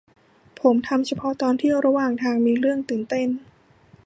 ผมทำเฉพาะตอนที่ระหว่างทางมีเรื่องตื่นเต้น